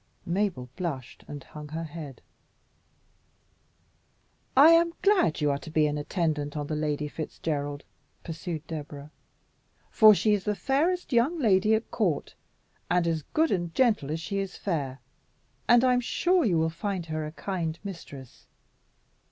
Mabel blushed, and hung her head. "I am glad you are to be an attendant on the Lady Fitzgerald," pursued Deborah, "for she is the fairest young lady at court, and as good and gentle as she is fair, and I am sure you will find her a kind mistress.